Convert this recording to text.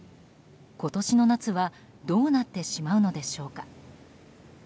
今年の夏はどうなってしまうのでしょうか。